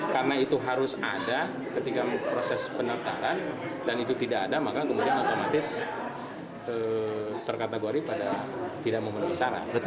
karena itu harus ada ketika proses penertaran dan itu tidak ada maka kemudian otomatis terkategori pada tidak memenuhi syarat